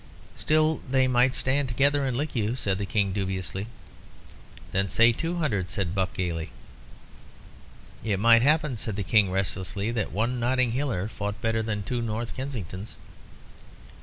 "Still they might stand together and lick you," said the King, dubiously. "Then say two hundred," said Buck, gaily. "It might happen," said the King, restlessly, "that one Notting Hiller fought better than two North Kensingtons."